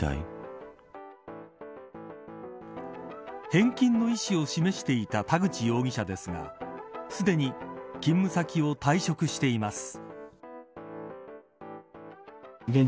返金の意思を示していた田口容疑者ですがすでに勤務先を退職しています。